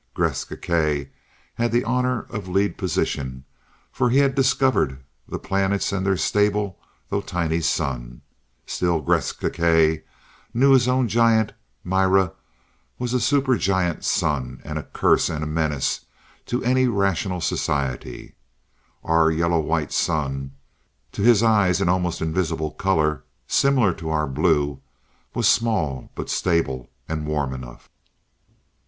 Gresth Gkae had the honor of lead position, for he had discovered the planets and their stable, though tiny, sun. Still, Gresth Gkae knew his own giant Mira was a super giant sun and a curse and a menace to any rational society. Our yellow white sun (to his eyes, an almost invisible color, similar to our blue) was small, but stable, and warm enough.